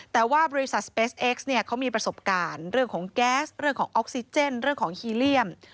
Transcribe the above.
แต่ว่าบริษัทสเปสเอ็กซ์เนี่ยเขามีประสบการณ์เรื่องของแก๊สเรื่องของออกซิเจนเรื่องของฮีเลียม